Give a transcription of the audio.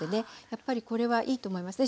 やっぱりこれはいいと思います。